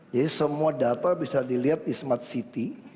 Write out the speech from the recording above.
jadi semua data bisa dilihat di smart city